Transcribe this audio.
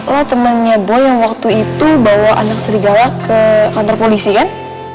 lah temannya beliau yang waktu itu bawa anak serigala ke kantor polisi kan